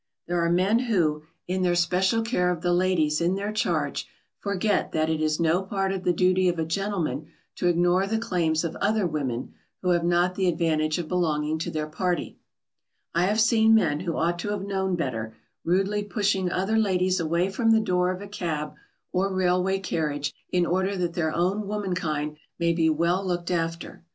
There are men who, in their special care of the ladies in their charge, forget that it is no part of the duty of a gentleman to ignore the claims of other women who have not the advantage of belonging to their party. [Sidenote: Consideration due to all women.] I have seen men who ought to have known better rudely pushing other ladies away from the door of a cab or railway carriage in order that their own womenkind may be well looked after.